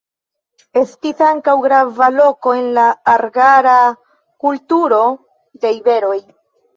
Estis ankaŭ grava loko en la argara kulturo de iberoj.